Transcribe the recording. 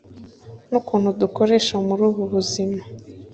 n’ukuntu dukoresha muri ubu buzima,